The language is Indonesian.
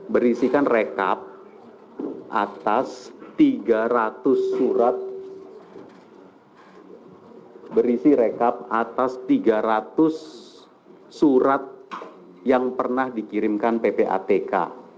berisikan rekap atas tiga ratus surat yang pernah dikirimkan ppatk